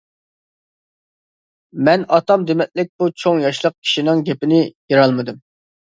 مەن ئاتام دېمەتلىك بۇ چوڭ ياشلىق كىشىنىڭ گېپىنى يىرالمىدىم.